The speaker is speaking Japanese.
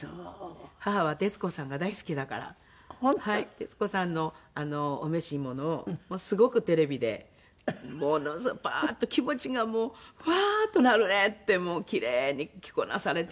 徹子さんのお召し物をすごくテレビでものすごいパーッと気持ちがもうふわーっとなるねってキレイに着こなされるっていう。